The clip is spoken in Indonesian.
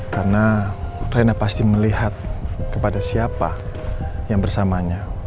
karena rena pasti melihat kepada siapa yang bersamanya